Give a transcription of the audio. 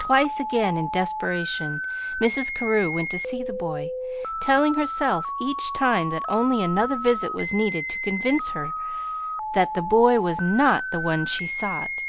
Twice again in desperation Mrs. Carew went to see the boy, telling herself each time that only another visit was needed to convince her that the boy was not the one she sought.